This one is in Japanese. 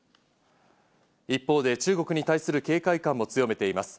一方で、中国に対する警戒感も強めています。